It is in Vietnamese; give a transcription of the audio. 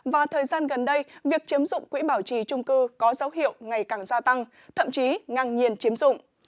và thời gian gần đây việc chiếm dụng quỹ bảo trì trung cư có dấu hiệu ngày càng gia tăng thậm chí ngang nhiên chiếm dụng